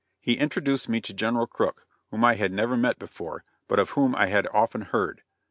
He introduced me to General Crook, whom I had never met before, but of whom I had often heard.